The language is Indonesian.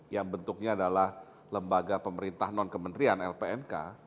yang bentuknya adalah lembaga pemerintah non kementerian lpnk